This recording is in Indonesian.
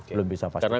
belum bisa pastikan